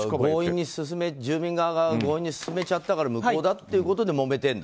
住人側が強引に進めたから無効だっていうことでもめてるんだ。